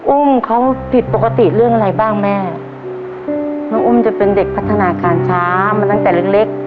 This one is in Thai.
อุ้มเขาผิดปกติเรื่องอะไรบ้างแม่น้องอุ้มจะเป็นเด็กพัฒนาการช้ามาตั้งแต่เล็กเล็ก